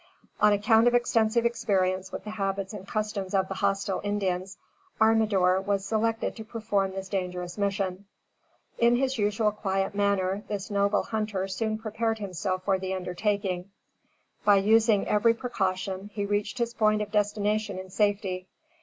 On account of extensive experience with the habits and customs of the hostile Indians, Armador was selected to perform this dangerous mission. In his usually quiet manner, this noble hunter soon prepared himself for the undertaking. By using every precaution, he reached his point of destination in safety.